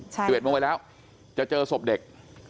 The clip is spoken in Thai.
สิบเอ็ดโมงไปแล้วจะเจอศพเด็ก